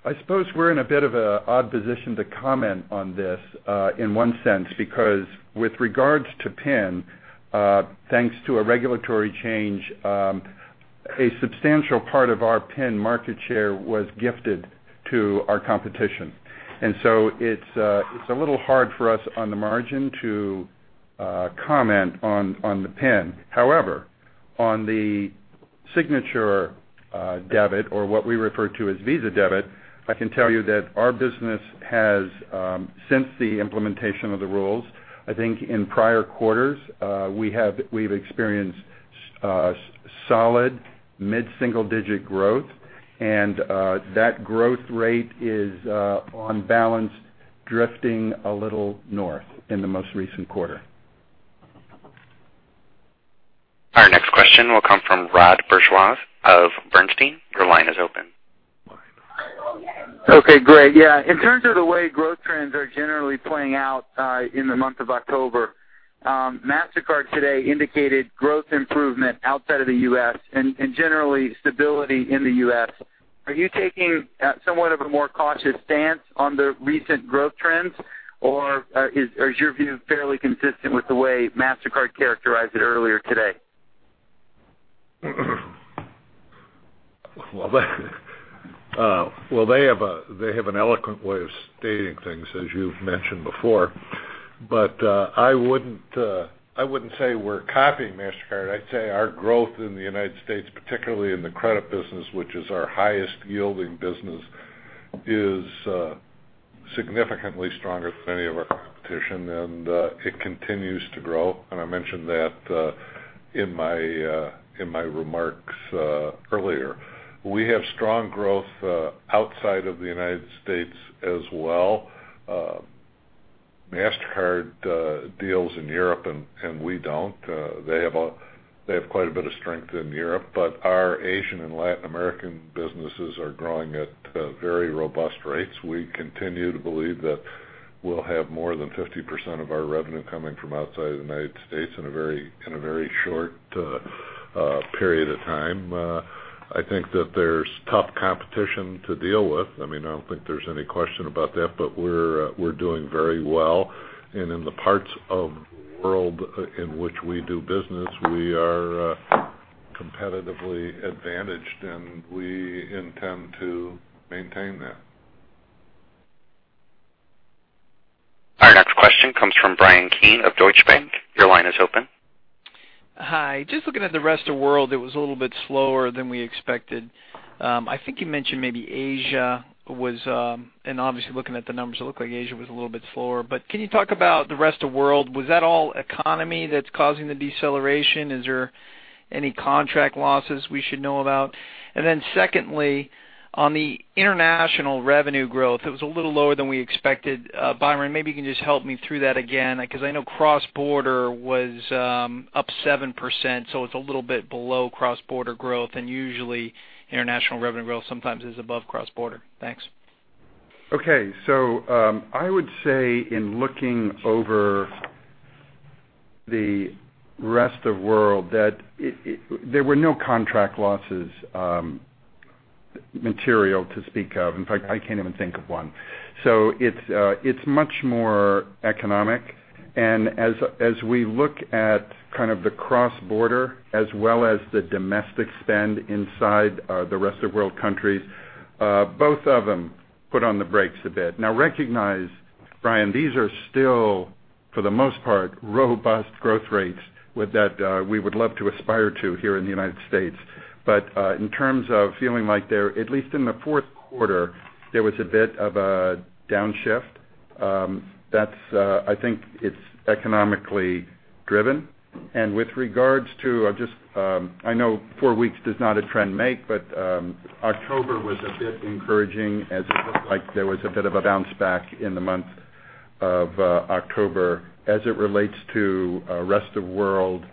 I suppose we're in a bit of an odd position to comment on this, in one sense. Because with regards to PIN, thanks to a regulatory change, a substantial part of our PIN market share was gifted to our competition. It's a little hard for us on the margin to comment on the PIN. However, on the signature debit or what we refer to as Visa Debit, I can tell you that our business has, since the implementation of the rules, I think in prior quarters, we've experienced solid mid-single digit growth. That growth rate is on balance, drifting a little north in the most recent quarter. Our next question will come from Rod Bourgeois of Bernstein. Your line is open. Okay, great. In terms of the way growth trends are generally playing out in the month of October, Mastercard today indicated growth improvement outside of the U.S. and generally stability in the U.S. Are you taking somewhat of a more cautious stance on the recent growth trends, or is your view fairly consistent with the way Mastercard characterized it earlier today? Well, they have an eloquent way of stating things, as you've mentioned before. I wouldn't say we're copying Mastercard. I'd say our growth in the U.S., particularly in the credit business, which is our highest yielding business, is significantly stronger than any of our competition, and it continues to grow. I mentioned that in my remarks earlier. We have strong growth outside of the U.S. as well. Mastercard deals in Europe and we don't. They have quite a bit of strength in Europe. Our Asian and Latin American businesses are growing at very robust rates. We continue to believe that we'll have more than 50% of our revenue coming from outside of the U.S. in a very short period of time. I think that there's tough competition to deal with. I mean, I don't think there's any question about that, we're doing very well. In the parts of the world in which we do business, we are competitively advantaged, and we intend to maintain that. Our next question comes from Brian Keane of Deutsche Bank. Your line is open. Hi. Just looking at the rest of world, it was a little bit slower than we expected. I think you mentioned maybe Asia was, and obviously looking at the numbers, it looked like Asia was a little bit slower. Can you talk about the rest of world? Was that all economy that's causing the deceleration? Is there any contract losses we should know about? Then secondly, on the international revenue growth, it was a little lower than we expected. Byron, maybe you can just help me through that again, because I know cross-border was up 7%, so it's a little bit below cross-border growth. Usually international revenue growth sometimes is above cross-border. Thanks. Okay. I would say in looking over The rest of world that there were no contract losses material to speak of. In fact, I can't even think of one. It's much more economic. As we look at kind of the cross-border as well as the domestic spend inside the rest of world countries, both of them put on the brakes a bit. Now recognize, Brian, these are still, for the most part, robust growth rates that we would love to aspire to here in the U.S. In terms of feeling like they're, at least in the fourth quarter, there was a bit of a downshift. I think it's economically driven. With regards to just, I know four weeks does not a trend make, but October was a bit encouraging as it looked like there was a bit of a bounce back in the month of October as it relates to rest of world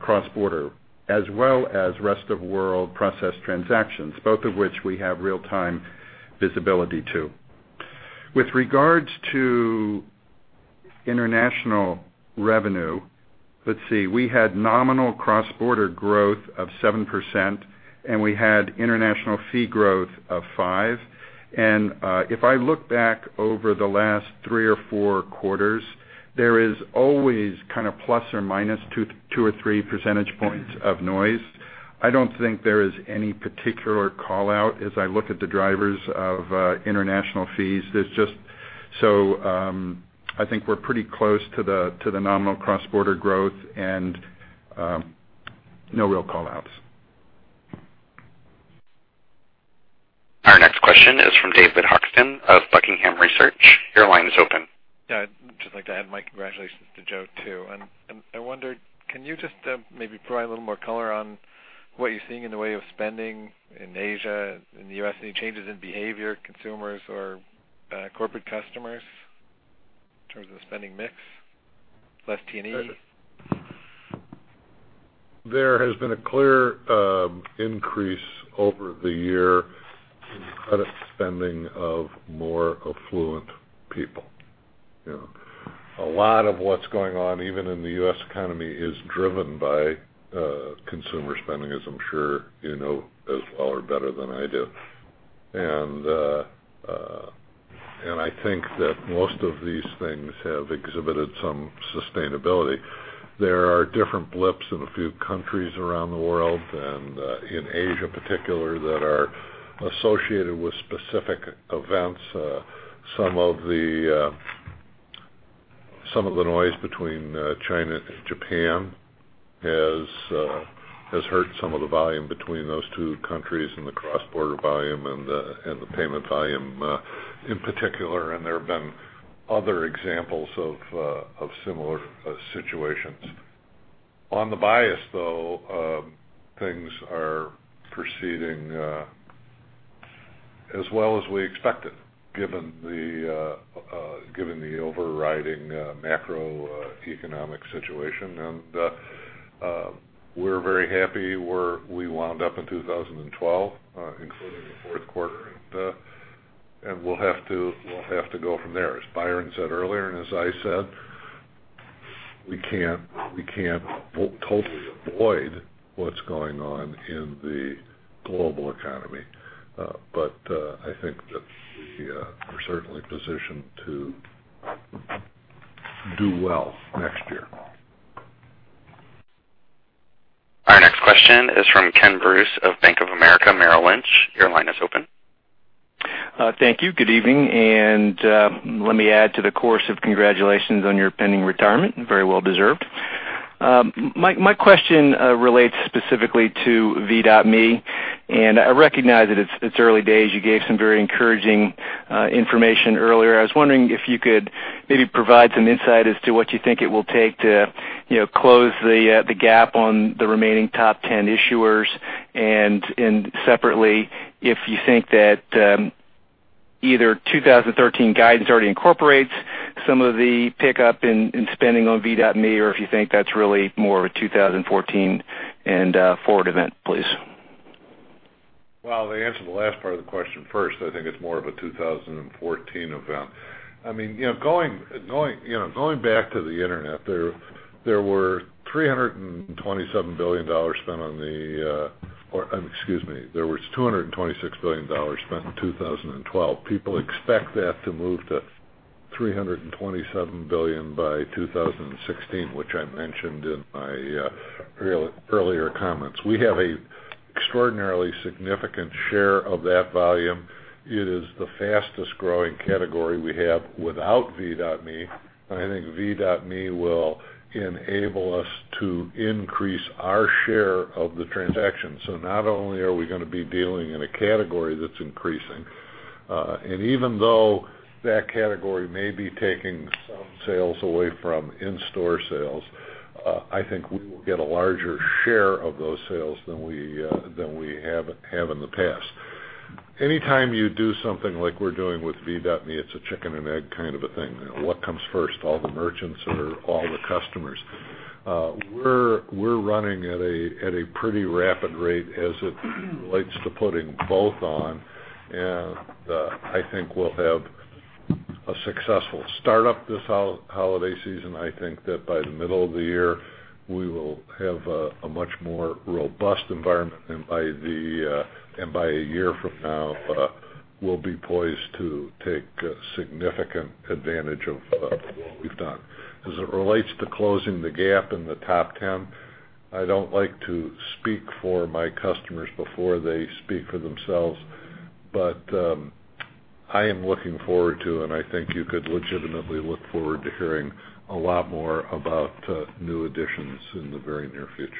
cross-border, as well as rest-of-world process transactions, both of which we have real-time visibility to. With regards to international revenue, let's see, we had nominal cross-border growth of 7% and we had international fee growth of five. If I look back over the last three or four quarters, there is always kind of plus or minus two or three percentage points of noise. I don't think there is any particular call-out as I look at the drivers of international fees. I think we're pretty close to the nominal cross-border growth and no real call-outs. Our next question is from David Hochstim of Buckingham Research. Your line is open. Yeah, I'd just like to add my congratulations to Joe too. I wondered, can you just maybe provide a little more color on what you're seeing in the way of spending in Asia, in the U.S., any changes in behavior, consumers or corporate customers in terms of the spending mix, less T&E? There has been a clear increase over the year in credit spending of more affluent people. A lot of what's going on, even in the U.S. economy, is driven by consumer spending, as I'm sure you know as well or better than I do. I think that most of these things have exhibited some sustainability. There are different blips in a few countries around the world and in Asia particular that are associated with specific events. Some of the noise between China and Japan has hurt some of the volume between those two countries in the cross-border volume and the payment volume in particular, and there have been other examples of similar situations. On the bias, though, things are proceeding as well as we expected given the overriding macroeconomic situation, and we're very happy where we wound up in 2012, including the fourth quarter. We'll have to go from there. As Byron said earlier and as I said, we can't totally avoid what's going on in the global economy. I think that we are certainly positioned to do well next year. Our next question is from Kenneth Bruce of Bank of America Merrill Lynch. Your line is open. Thank you. Good evening, I recognize that it's early days. You gave some very encouraging information earlier. I was wondering if you could maybe provide some insight as to what you think it will take to close the gap on the remaining top 10 issuers, and separately, if you think that either 2013 guidance already incorporates some of the pickup in spending on V.me or if you think that's really more of a 2014 and forward event, please. Well, to answer the last part of the question first, I think it's more of a 2014 event. Going back to the internet, there was $226 billion spent in 2012. People expect that to move to $327 billion by 2016, which I mentioned in my earlier comments. We have an extraordinarily significant share of that volume. It is the fastest-growing category we have without V.me. I think V.me will enable us to increase our share of the transaction. Not only are we going to be dealing in a category that's increasing, and even though that category may be taking some sales away from in-store sales, I think we will get a larger share of those sales than we have in the past. Anytime you do something like we're doing with V.me, it's a chicken and egg kind of a thing. What comes first? All the merchants or all the customers? We're running at a pretty rapid rate as it relates to putting both on, and I think we'll have a successful startup this holiday season. I think that by the middle of the year, we will have a much more robust environment, and by a year from now, we'll be poised to take significant advantage of what we've done. As it relates to closing the gap in the top 10, I don't like to speak for my customers before they speak for themselves, but I am looking forward to, and I think you could legitimately look forward to hearing a lot more about new additions in the very near future.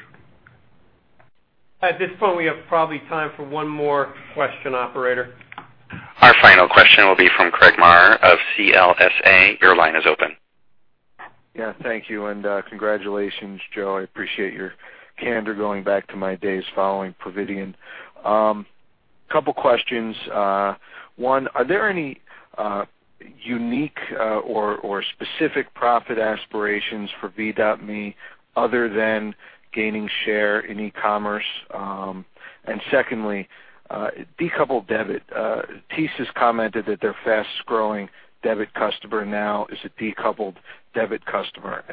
At this point, we have probably time for one more question, operator. Our final question will be from Craig Maurer of CLSA. Your line is open. Yeah, thank you and congratulations, Joe. I appreciate your candor, going back to my days following Providian. Couple questions. Are there any unique or specific profit aspirations for V.me other than gaining share in e-commerce? Secondly, decoupled debit. Discover has commented that their fast-growing debit customer now is a decoupled debit customer.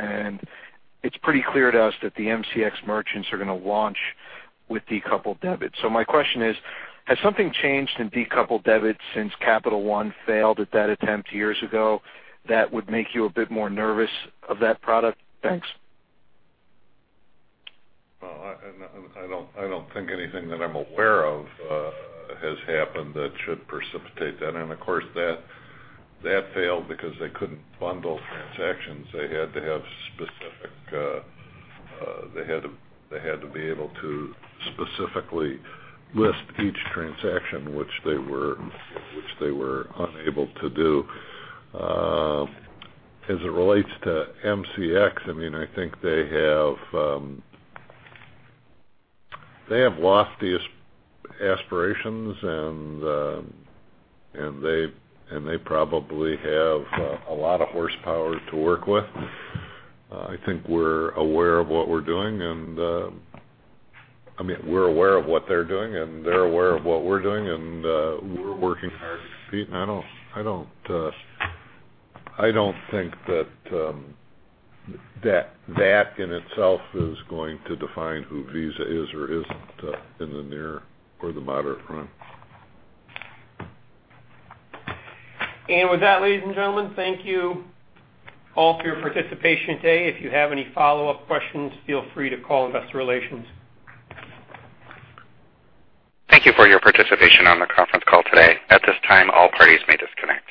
It's pretty clear to us that the MCX merchants are going to launch with decoupled debit. My question is, has something changed in decoupled debit since Capital One failed at that attempt years ago that would make you a bit more nervous of that product? Thanks. I don't think anything that I'm aware of has happened that should precipitate that. Of course, that failed because they couldn't bundle transactions. They had to be able to specifically list each transaction, which they were unable to do. As it relates to MCX, I think they have loftiest aspirations, and they probably have a lot of horsepower to work with. I think we're aware of what we're doing, we're aware of what they're doing, and they're aware of what we're doing, and we're working hard to compete. I don't think that in itself is going to define who Visa is or isn't in the near or the moderate run. With that, ladies and gentlemen, thank you all for your participation today. If you have any follow-up questions, feel free to call investor relations. Thank you for your participation on the conference call today. At this time, all parties may disconnect.